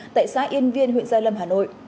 tại xã yên viên huyện gia lâm hà nội